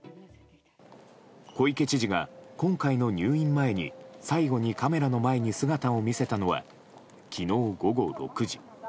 小池知事が今回の入院前に最後にカメラの前に姿を見せたのは昨日午後６時。